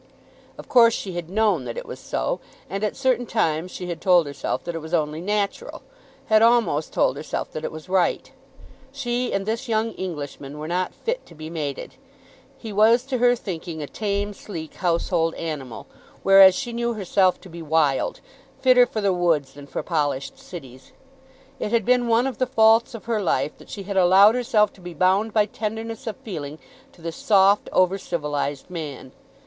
Of course she had known that it was so, and at certain times she had told herself that it was only natural, had almost told herself that it was right. She and this young Englishman were not fit to be mated. He was to her thinking a tame, sleek household animal, whereas she knew herself to be wild, fitter for the woods than for polished cities. It had been one of the faults of her life that she had allowed herself to be bound by tenderness of feeling to this soft over civilised man.